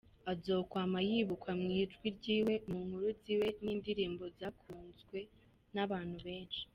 Azokwama yibukwa mw’ijwi ryiwe, mu nkuru ziwe n’indirimbo zakunzwe n’abantu benshi.